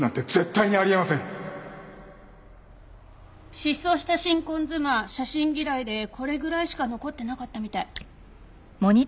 失踪した新婚妻写真嫌いでこれぐらいしか残ってなかったみたい。